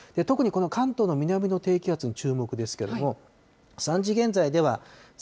特にこの関東の南の低気圧に注目ですけれども、３時現在では１００４